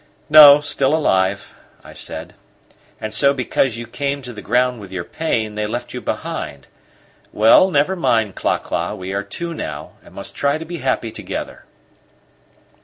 "No, still alive," I said. "And so because you came to the ground with your pain, they left you behind! Well, never mind, Cla cla, we are two now and must try to be happy together."